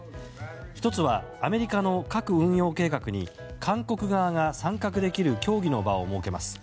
１つは、アメリカの核運用計画に韓国側が参画できる協議の場を設けます。